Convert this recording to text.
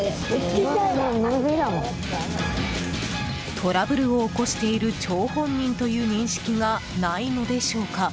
トラブルを起こしている張本人という認識がないのでしょうか。